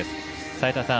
齋田さん